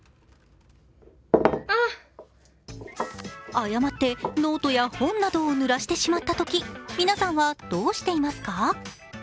誤ってノートや本などをぬらしてしまったとき皆さんはどうしていますか？